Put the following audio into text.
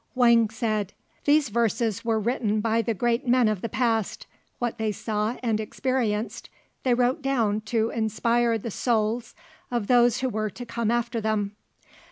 Whang said, "These verses were written by the great men of the past. What they saw and experienced they wrote down to inspire the souls of those who were to come after them.